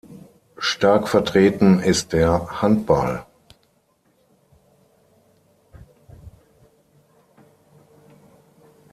Stark vertreten ist der Handball.